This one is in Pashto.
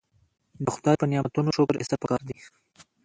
د خدای په نعمتونو شکر ایستل پکار دي.